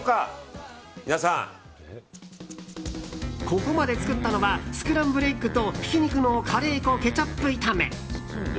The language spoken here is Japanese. ここまで作ったのはスクランブルエッグとひき肉のカレー粉、ケチャップ炒め。